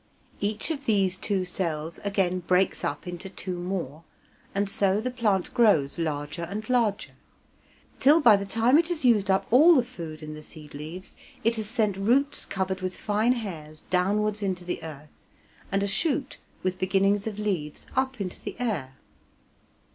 Each of these two cells again breaks up into two more, and so the plant grows larger and larger, till by the time it has used up all the food in the seed leaves, it has sent roots covered with fine hairs downwards into the earth, and a shoot with beginnings of leaves up into the air.